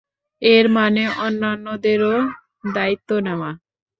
এর মানে অন্যান্যদেরও দায়িত্ব নেওয়া।